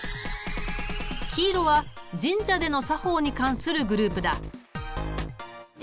黄色は神社での作法に関するグループだ。